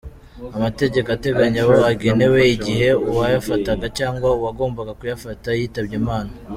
Amategeko ateganya abo agenewe igihe uwayafataga cyangwa uwagombaga kuyafata yitabye Imana.